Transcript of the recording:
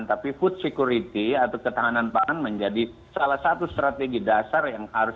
tapi food security atau ketahanan pangan menjadi salah satu strategi dasar yang harus